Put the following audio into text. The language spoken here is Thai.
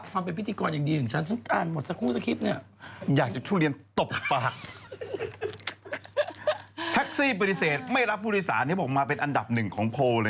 ต้องต้องสิต้อง๘๓แล้วเรามึงมีเราอยากอยากว่าจะคนต้อง๑๗๐๐ให้กลับประสานไม่จะออกมาใช่ออกมา